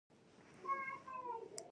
هم د خنډانو اچولو کوشش کوو،